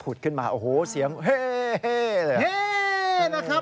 พูดขึ้นมาโอ้โหเสียงเฮ้เลยครับ